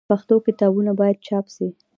پښتو کتابونه باید چاپ سي.